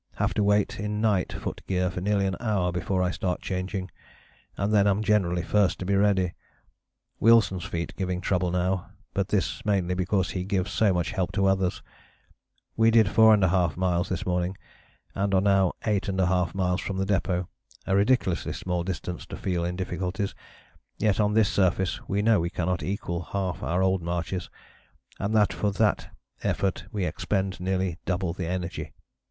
Have to wait in night foot gear for nearly an hour before I start changing, and then am generally first to be ready. Wilson's feet giving trouble now, but this mainly because he gives so much help to others. We did 4½ miles this morning and are now 8½ miles from the depôt a ridiculously small distance to feel in difficulties, yet on this surface we know we cannot equal half our old marches, and that for that effort we expend nearly double the energy.